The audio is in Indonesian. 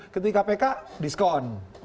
ketika pk diskon